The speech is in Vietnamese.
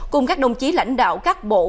cùng các đồng chí lãnh đạo các bộ